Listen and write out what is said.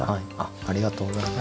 ありがとうございます。